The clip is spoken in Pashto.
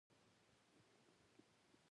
ازاد ذهن د پوښتنې ځواک لري.